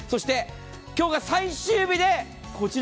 今日が最終日でこちら。